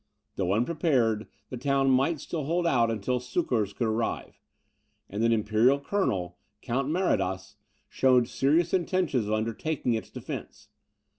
Though unprepared, the town might still hold out until succours could arrive; and an imperial colonel, Count Maradas, showed serious intentions of undertaking its defence.